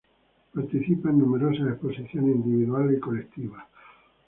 Participa en numerosas exposiciones individuales y colectivas.